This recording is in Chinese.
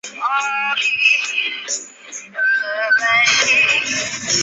霍格乔是一个位于美国阿拉巴马州马歇尔县的非建制地区。